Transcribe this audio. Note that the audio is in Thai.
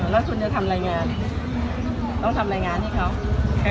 แล้วคุณจะทำอะไรงานต้องทำอะไรงานให้เขา